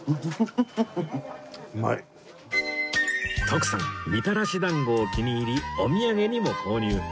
徳さんみたらしだんごを気に入りお土産にも購入